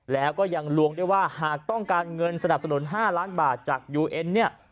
แล้วก็ยังลวงได้ว่าหากต้องการเงินสนับสนุน๕ล้านบาทจากยูเอ็นเนี่ย